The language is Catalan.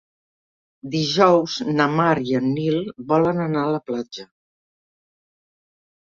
Dijous na Mar i en Nil volen anar a la platja.